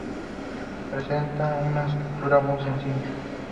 Presenta una estructura muy sencilla.